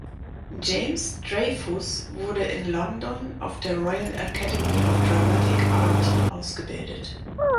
James Dreyfus wurde in London auf der "Royal Academy of Dramatic Art" ausgebildet.